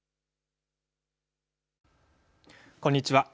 こんにちは。